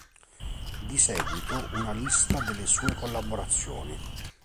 Di seguito una lista delle sue collaborazioni.